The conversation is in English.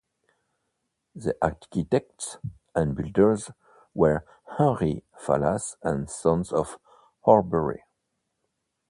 The architects and builders were Henry Fallas and Sons of Horbury.